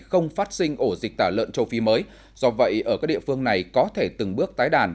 không phát sinh ổ dịch tả lợn châu phi mới do vậy ở các địa phương này có thể từng bước tái đàn